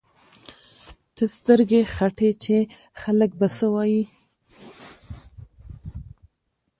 ته سترګې ختې چې خلک به څه وايي.